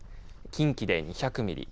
近畿で２００ミリ